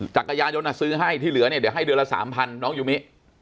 จักรยานยนต์ซื้อให้ที่เหลือเนี่ยเดี๋ยวให้เดือนละ๓๐๐น้องยูมิ